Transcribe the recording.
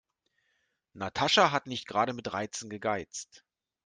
Natascha hat nicht gerade mit Reizen gegeizt.